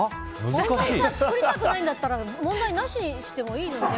作りたくなかったら問題なしにしてもいいのに。